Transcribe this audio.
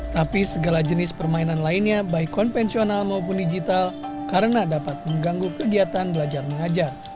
tapi segala jenis permainan lainnya baik konvensional maupun digital karena dapat mengganggu kegiatan belajar mengajar